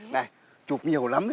này chụp nhiều lắm